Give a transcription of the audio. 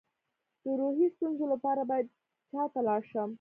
د روحي ستونزو لپاره باید چا ته لاړ شم؟